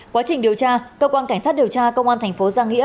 quá trình điều tra cơ quan cảnh sát điều tra công an thành phố giang nghĩa